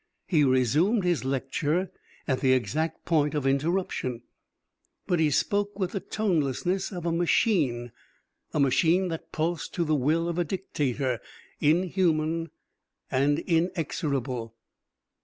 He resumed his lecture at the exact point of interruption! But he spoke with the tonelessness of a machine, a machine that pulsed to the will of a dictator, inhuman and inexorable!